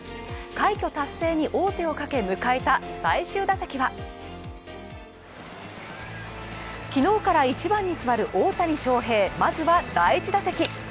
快挙達成に王手をかけ迎えた最終打席は昨日から１番に座る大谷翔平、まずは第１打席。